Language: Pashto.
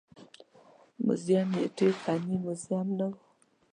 موزیم یې ډېر غني موزیم نه و.